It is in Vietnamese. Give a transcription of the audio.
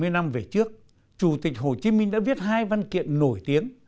bảy mươi năm về trước chủ tịch hồ chí minh đã viết hai văn kiện nổi tiếng